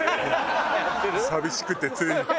寂しくてつい。